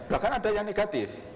bahkan ada yang negatif